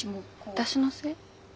私のせい？